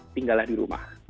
tinggallah di rumah